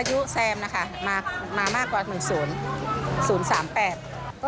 เยอะค่ะ